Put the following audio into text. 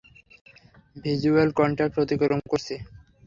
Visual contact অতিক্রম করছি।